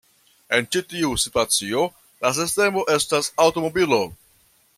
En ĉi tiu situacio, la sistemo estas aŭtomobilo.